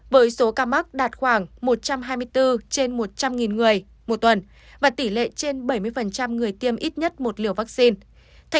với số ca mắc đạt khoảng một trăm hai mươi bốn trên một trăm linh người một tuần và tỷ lệ trên bảy mươi người tiêm ít nhất một liều vaccine